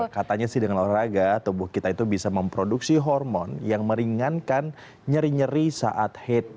katanya sih dengan olahraga tubuh kita itu bisa memproduksi hormon yang meringankan nyeri nyeri saat hate